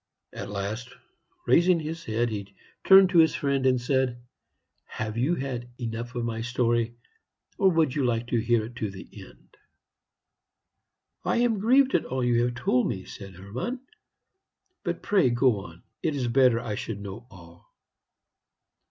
At last, raising his head, he turned to his friend and said, "Have you had enough of my story, or would you like to hear it to the end?" "I am grieved at all you have told me," said Hermann; "but pray go on; it is better I should know all."